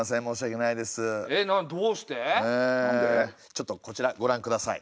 ちょっとこちらご覧下さい。